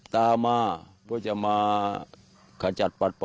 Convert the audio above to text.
ตามมาเพื่อจะมา